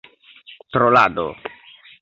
trolado